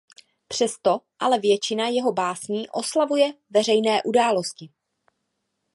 Přesto ale většina jeho básní oslavuje veřejné události.